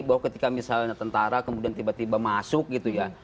bahwa ketika misalnya tentara kemudian tiba tiba masuk gitu ya